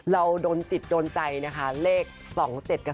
เราโดนจิตโดนใจนะคะเลข๒๗กับ